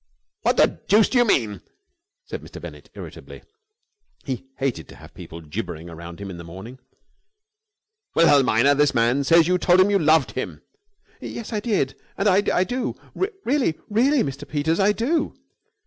"What the deuce do you mean?" said Mr. Bennett, irritably. He hated to have people gibbering around him in the morning. "Wilhelmina, this man says that you told him you loved him." "Yes, I did, and I do. Really, really, Mr. Peters, I do!"